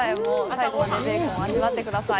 最後までベーコンを味わってください